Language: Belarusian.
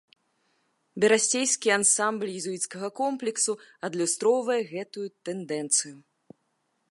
Берасцейскі ансамбль езуіцкага комплексу адлюстроўвае гэтую тэндэнцыю.